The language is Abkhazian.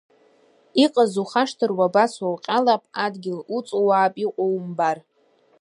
Иҟаз ухашҭыр, уабацо, уҟьалап, адгьыл уҵууаап, иҟоу умбар.